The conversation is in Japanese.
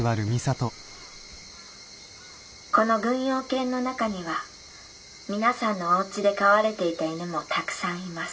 「この軍用犬の中には皆さんのおうちで飼われていた犬もたくさんいます」。